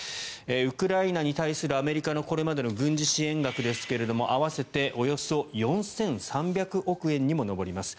ウクライナに対するアメリカのこれまでの軍事支援額ですが合わせておよそ４３００億円にも上ります。